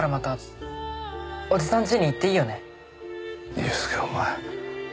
祐介お前。